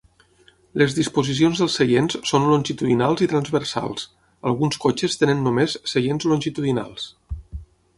Les disposicions dels seients són longitudinals i transversals; alguns cotxes tenen només seients longitudinals.